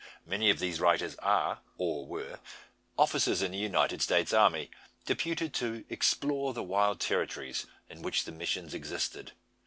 Many of these writers are, or were, officers in the United States army, deputed to explore the wild territories in which the missions existed.